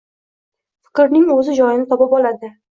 Fikrning o’zi joyini topib oladi.